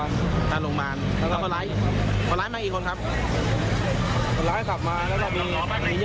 คนร้ายกลับมาแล้วเรามีญาติน่าจะเป็นญาติ